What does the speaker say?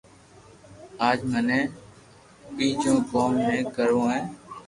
اج مني ڀآجو ڪوم بي ڪروو ھي